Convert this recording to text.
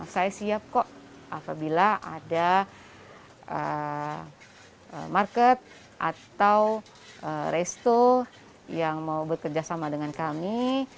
saya siap kok apabila ada market atau resto yang mau bekerja sama dengan kami